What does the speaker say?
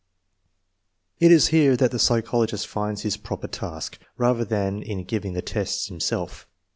It is here that the psychologist finds his proper task, rather than in giving the tests himself.